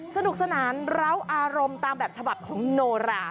สนุกสนานร้าวอารมณ์ตามแบบฉบับของโนรา